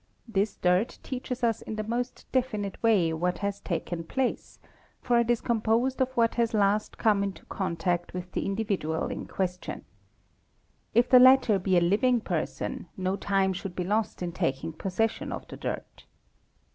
This dirt teaches us in the most definite way what has taken place, for it is com posed of what has last come into contact with the individual in question. if the latter be a living person no time should be lost in taking possession of the dirt.